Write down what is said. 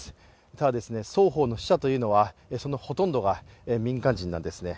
ただ、双方の死者というのはほとんどが民間人なんですね。